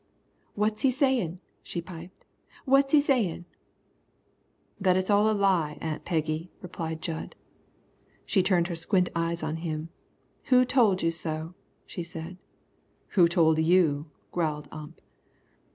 "What's he sayin'," she piped; "what's he sayin'?" "That it's all a lie, Aunt Peggy," replied Jud. She turned her squint eyes on him. "Who told you so?" she said. "Who told you?" growled Ump.